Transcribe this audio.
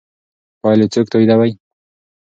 پایلې څوک تاییدوي؟